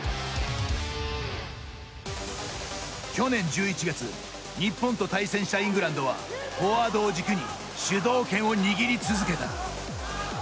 去年１１月日本と対戦したイングランドはフォワードを軸に主導権を握り続けた。